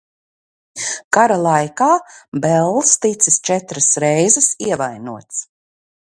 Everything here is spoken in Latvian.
Kara laikā Bells ticis četras reizes ievainots.